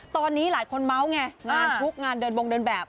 ตอนนี้หลายคนเมาส์ไงงานทุกข์งานเดินบงเดินแบบ